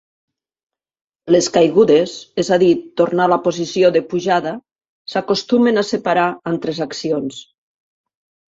Les "caigudes", és a dir, tornar a la posició de pujada, s'acostumen a separar en tres accions.